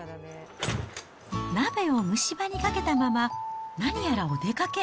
鍋を蒸し場にかけたまま、何やらお出かけ。